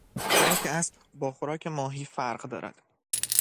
خوراک اسب با خوراک ماهی فرق دارد.